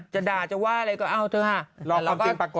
จะด่าจะว่าอะไรก็เอาเถอะฮะ